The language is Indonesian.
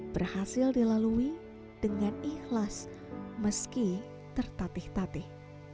berhasil dilalui dengan ikhlas meski tertatih tatih